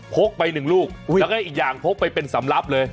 พกไป๑ลูกแล้วอีกอย่างพกไปเป็นสำลักเลย